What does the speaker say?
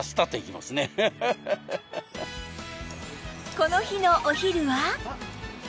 この日のお昼は